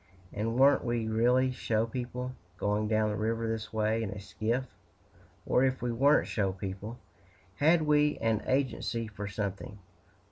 "And weren't we really show people, going down the river this way, in a skiff? or, if we weren't show people, had we an agency for something?